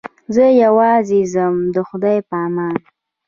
زه یوازې ځم د خدای په امان.